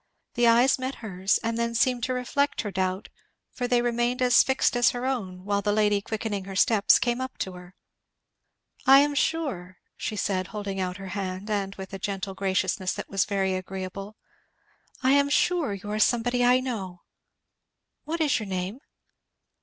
The eyes met hers, and then seemed to reflect her doubt, for they remained as fixed as her own while the lady quickening her steps came up to her. "I am sure," she said, holding out her hand, and with a gentle graciousness that was very agreeable, "I am sure you are somebody I know. What is your name?"